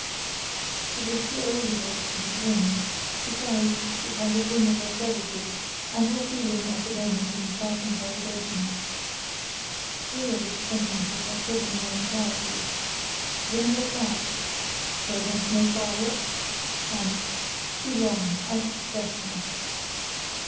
It was too old a voice to be Grimm's; besides, it had the ring of authority, and was dealing at the moment in sharp interrogations. Three of its sentences I caught in their entirety. "When was that?" "They went no farther?" and "Too long; out of the question."